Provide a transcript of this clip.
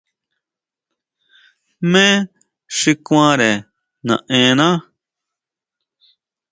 ¿Jmé xi kuanre naʼena?